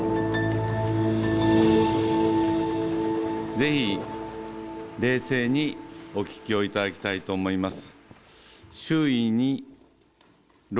ぜひ冷静にお聞きを頂きたいと思います。